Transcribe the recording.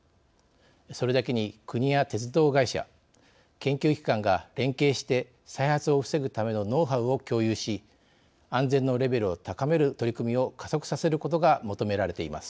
それだけに、国や鉄道各社研究機関が連携して再発を防ぐためのノウハウを共有し安全のレベルを高める取り組みを加速させることが求められています。